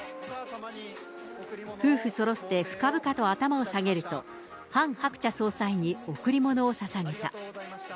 夫婦そろって深々と頭を下げると、ハン・ハクチャ総裁に贈り物をささげた。